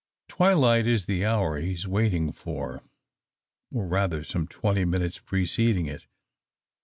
Twilight is the hour he is waiting for, or rather some twenty minutes preceding it.